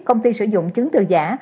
công ty sử dụng chứng từ giả